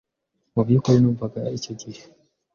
mu byukuri numvaga icyo gihe